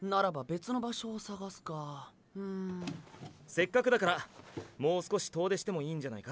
せっかくだからもう少し遠出してもいいんじゃないか？